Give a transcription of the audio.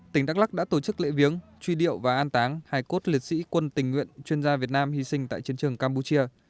tỉnh đắk lắc đã tổ chức lễ viếng truy điệu và an táng hai cốt liệt sĩ quân tình nguyện chuyên gia việt nam hy sinh tại chiến trường campuchia